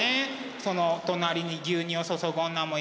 そのお隣に「牛乳を注ぐ女」もいるしね。